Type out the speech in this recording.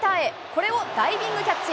これをダイビングキャッチ。